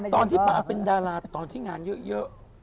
ป่าเป็นดาราตอนที่งานเยอะ